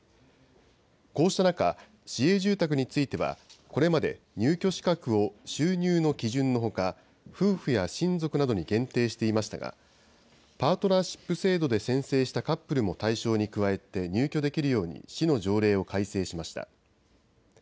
こうした中、市営住宅については、これまで入居資格を収入の基準のほか、夫婦や親族などに限定していましたが、パートナーシップ制度で宣誓したカップルも対象に加えて、入居できるように、市の条例を改正しました。